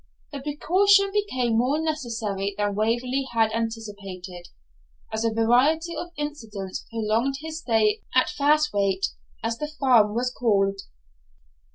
The precaution became more necessary than Waverley had anticipated, as a variety of incidents prolonged his stay at Fasthwaite, as the farm was called.